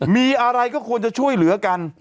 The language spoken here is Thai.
มีอะไรก็ควรจะช่วยเหลือกัน